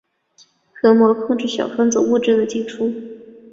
核膜控制小分子物质的进出。